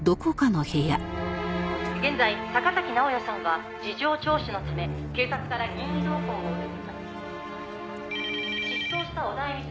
「現在坂崎直哉さんは事情聴取のため警察から任意同行を」もしもし。